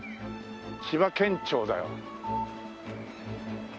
千葉県庁だよ。